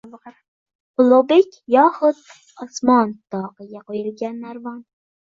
«Ulug‘bek yoxud Osmon toqiga qo‘yilgan narvon»